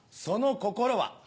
その心は。